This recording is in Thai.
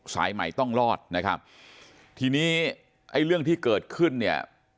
สายใหม่ต้องรอดนะครับทีนี้ไอ้เรื่องที่เกิดขึ้นเนี่ย